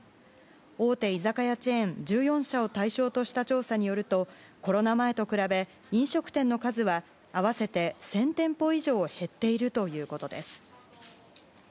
大手居酒屋チェーン１４社を対象とした調査によるとコロナ前と比べ、飲食店の数は合わせて１０００店舗以上減っているということです。